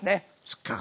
そっか。